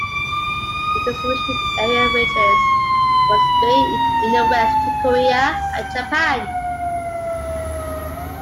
The distribution area ranges from Spain in the West to Korea and Japan.